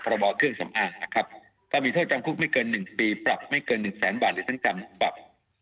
มาตรา๔๑แห่งประบอเครื่องสำอางนะครับก็มีโทษจำคุกไม่เกิน๑ปีปรับไม่เกิน๑แสนบาทหรือสังกรรมปรับ